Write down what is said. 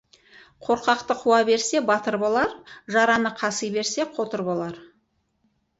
Қорқақты қуа берсе, батыр болар, жараны қаси берсе, қотыр болар.